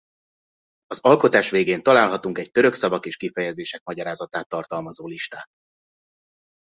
Az alkotás végén találhatunk egy török szavak és kifejezések magyarázatát tartalmazó listát.